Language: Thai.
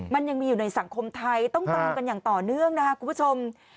มันยังมีอยู่ในสังคมไทยต้องตามกันอย่างต่อเนื่องนะครับคุณผู้ชม